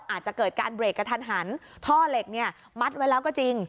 อาจจะเกิดการเบรกกระทันหันท่อเหล็กเนี่ยมัดไว้แล้วก็จริง